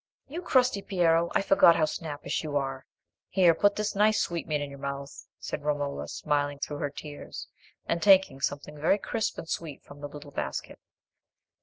"You crusty Piero! I forgot how snappish you are. Here, put this nice sweetmeat in your mouth," said Romola, smiling through her tears, and taking something very crisp and sweet from the little basket.